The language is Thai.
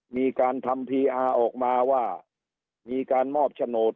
มีการทำพีอาร์ออกมาว่ามีการมอบโฉนด